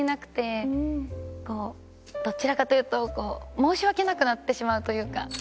どちらかというと申し訳なくなってしまうというか。